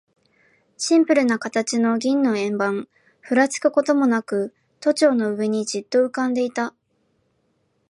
シンプルな形の銀の円盤、ふらつくこともなく、都庁の上にじっと浮んでいた。